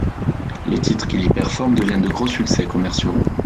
Les titres qu’il y performe deviennent de gros succès commerciaux.